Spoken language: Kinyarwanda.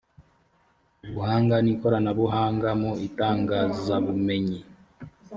ubuhanga n ikoranabuhanga mu itangazabumenyi